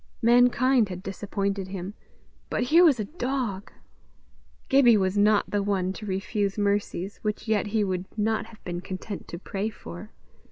Mankind had disappointed him, but here was a dog! Gibbie was not the one to refuse mercies which yet he would not have been content to pray for.